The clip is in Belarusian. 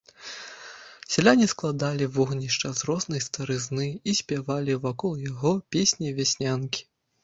Сяляне складалі вогнішча з рознай старызны і спявалі вакол яго песні-вяснянкі.